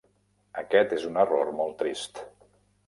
Aquest és un error molt trist.